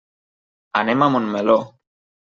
Anem a Montmeló.